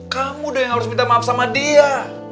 kamu deh yang harus minta maaf sama dia